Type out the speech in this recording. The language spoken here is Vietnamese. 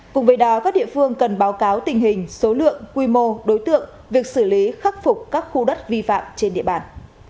cùng với đó các địa phương cần báo cáo tình hình số lượng quy mô đối tượng việc xử lý khắc phục các khu đất vi phạm trên địa bàn